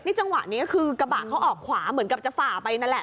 จังหวะนี้คือกระบะเขาออกขวาเหมือนกับจะฝ่าไปนั่นแหละ